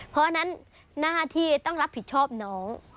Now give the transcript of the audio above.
เพราะฉะนั้นหน้าที่ต้องรับผิดชอบน้อง